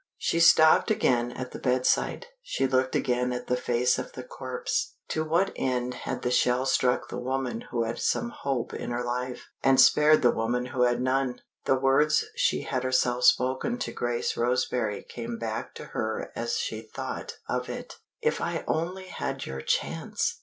She stopped again at the bedside; she looked again at the face of the corpse. To what end had the shell struck the woman who had some hope in her life, and spared the woman who had none? The words she had herself spoken to Grace Roseberry came back to her as she thought of it. "If I only had your chance!